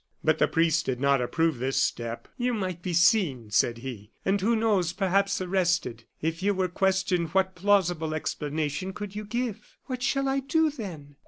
But the priest did not approve this step. "You might be seen," said he, "and who knows perhaps arrested. If you were questioned, what plausible explanation could you give?" "What shall I do, then?"